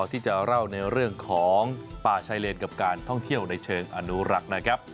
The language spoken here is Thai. ที่จะเล่าในเรื่องของป่าชายเลนกับการท่องเที่ยวในเชิงอนุรักษ์นะครับ